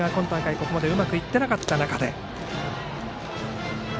ここまでうまくいってなかった中。